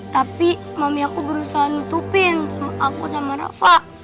tapi mami aku berusaha nutupin aku sama rafa